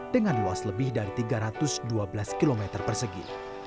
dengan luas lebih dari tiga ratus dua belas km persegi